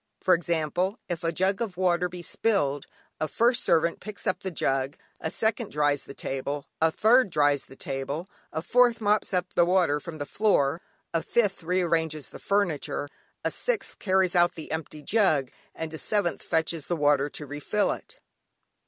For example, if a jug of water be spilled, a first servant picks up the jug, a second dries the table cloth, a third dries the table, a fourth mops up the water from the floor, a fifth rearranges the furniture, a sixth carries out the empty jug, and a seventh fetches the water to refill it.